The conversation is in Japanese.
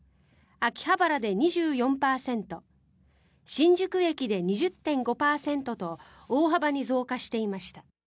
秋葉原で２４％新宿駅で２０．５％と大幅に増加していました。